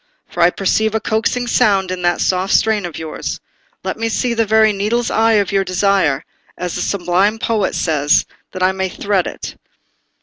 For I perceive a coaxing sound in that soft strain of yours. Let me see the very needle's eye of your desire, as the sublime poet says, that I may thread it."